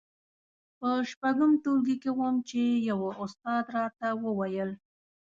په شپږم ټولګي کې وم چې يوه استاد راته وويل.